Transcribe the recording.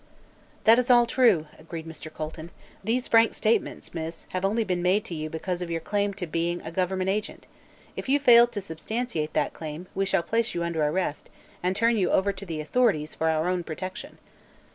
"That is all true," agreed Mr. Colton. "These frank statements, miss, have only been made to you because of your claim to being a government agent. If you fail to substantiate that claim, we shall place you under arrest and turn you over to the authorities, for our own protection."